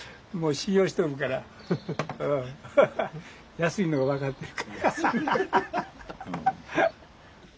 安いのが分かってるから。